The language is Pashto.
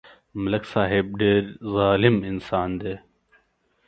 ملک صاحب ډېر ظالم انسان دی